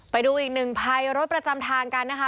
ไปดูอีกหนึ่งภัยรถประจำทางกันนะคะ